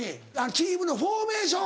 チームのフォーメーション。